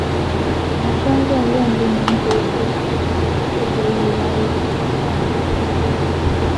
原生论认定民族是至古以来已经存在的自然现象。